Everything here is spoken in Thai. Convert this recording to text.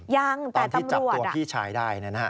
ยังแต่ตำรวจตอนที่จับตัวพี่ชายได้นะ